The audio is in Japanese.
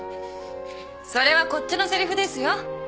それはこっちのせりふですよ